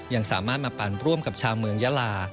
ยังสามารถมาปั่นร่วมกับชาวเมืองยาลา